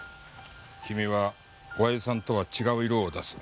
君は親父さんとは違う色を出す。